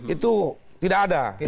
itu tidak ada